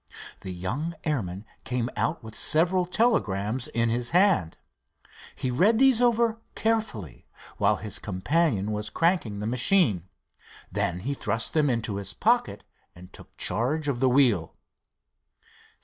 The young airman came out with several telegrams in his hand. He read these over carefully while his companion was cranking the machine. Then he thrust them into his pocket and took charge of the wheel.